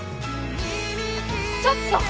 ちょっと！